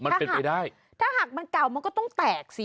มันเป็นไปได้ถ้าหากมันเก่ามันก็ต้องแตกสิ